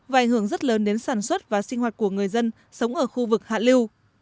vài hưởng rất lớn đến sản xuất và sinh hoạt của người dân sống ở khu vực hạ lưu